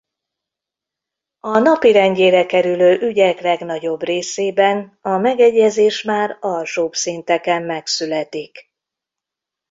A napirendjére kerülő ügyek legnagyobb részében a megegyezés már alsóbb szinteken megszületik.